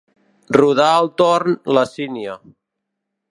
Rodar el torn, la sínia.